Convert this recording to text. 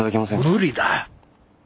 無理だ！